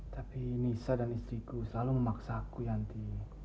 tapi nisa dan istriku selalu memaksaku nanti